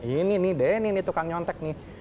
ini nih denny nih tukang nyontek nih